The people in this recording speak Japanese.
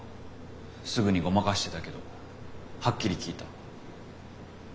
すぐにごまかしてたけどはっきり聞いた。